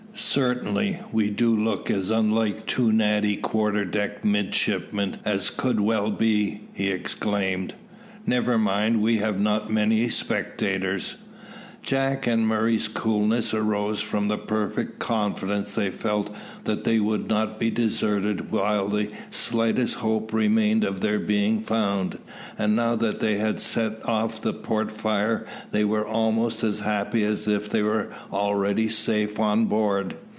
"Certainly, we do look as unlike two natty quarter deck midshipmen as could well be," he exclaimed. "Never mind, we have not many spectators." Jack and Murray's coolness arose from the perfect confidence they felt that they would not be deserted while the slightest hope remained of their being found; and now that they had set off the port fire they were almost as happy as if they were already safe on board.